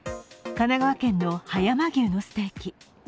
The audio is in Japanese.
神奈川県の葉山牛のステーキ。